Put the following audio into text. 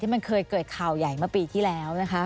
มันเคยเกิดข่าวใหญ่เมื่อปีที่แล้วนะคะ